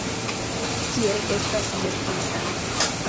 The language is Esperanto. Kiel estas vestita.